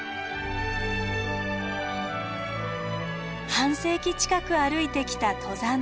半世紀近く歩いてきた登山道。